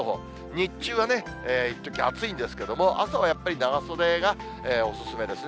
日中はね、いっとき暑いんですけれども、朝はやっぱり長袖がお勧めですね。